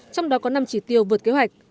trong đó có năm chỉ tiêu vượt kế hoạch